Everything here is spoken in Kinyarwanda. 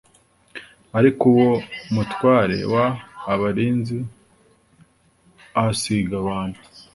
ariko uwo mutware w abarinzi ahasiga abantu